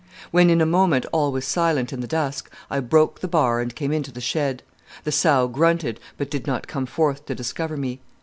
"When in a moment all was silent in the dusk, I broke the bar and came into the shed. The sow grunted, but did not come forth to discover me.